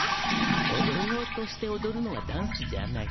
おどろうとしておどるのはダンスじゃない。